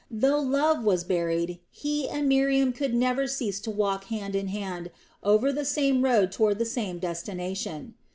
Though love was buried, he and Miriam could never cease to walk hand in hand over the same road toward the same destination.